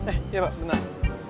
eh iya pak benar